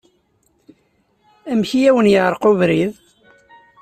Amek ay awen-yeɛreq ubrid?